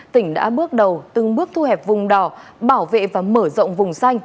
tỉnh đã bước đầu từng bước thu hẹp vùng đỏ bảo vệ và mở rộng vùng xanh